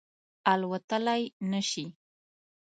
الوتلای نه شي